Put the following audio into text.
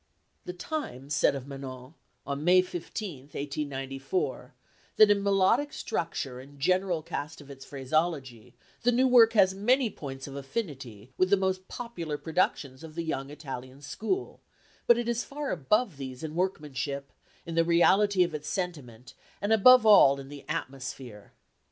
The Times said of Manon, on May 15, 1894, that in melodic structure and general cast of its phraseology the new work has many points of affinity with the most popular productions of the young Italian school; but it is far above these in workmanship, in the reality of its sentiment, and, above all, in the atmosphere.